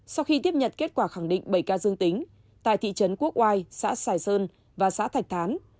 sau khi tiếp nhận kết quả khẳng định bảy ca dương tính tại thị trấn quốc oai xã sài sơn và xã thạch thán